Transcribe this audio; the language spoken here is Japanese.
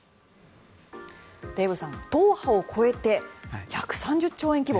デーブさん、党派を超えて１３０兆円規模。